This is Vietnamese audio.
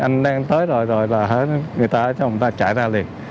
anh đang tới rồi người ta chạy ra liền